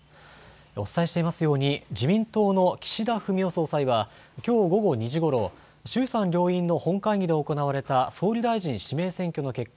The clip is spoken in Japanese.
お伝えしていますように自民党の岸田文雄総裁はきょう午後２時ごろ、衆参両院の本会議で行われた総理大臣指名選挙の結果